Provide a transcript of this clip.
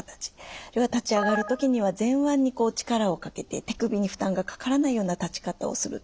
あるいは立ち上がる時には前腕にこう力をかけて手首に負担がかからないような立ち方をする。